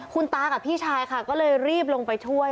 คุณตากับพี่ชายค่ะก็เลยรีบลงไปช่วย